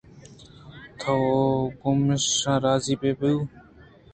ءُ تو گوٛمیشاں راضی بُہ بُو